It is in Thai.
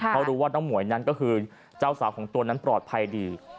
เพราะรู้ว่าน้องหมวยนั้นก็คือเจ้าสาวของตัวนั้นปลอดภัยดี